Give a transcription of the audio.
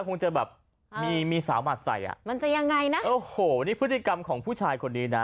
คงจะแบบมีมีสาวหมัดใส่อ่ะมันจะยังไงนะโอ้โหนี่พฤติกรรมของผู้ชายคนนี้นะ